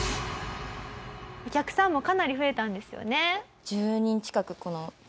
お客さんもかなり増えたんですよね？